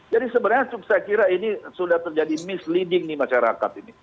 jadi sebenarnya saya kira ini sudah terjadi misleading masyarakat ini